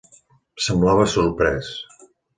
Semblava sorprès.